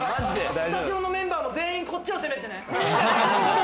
スタジオのメンバーも全員こっちを攻めてね。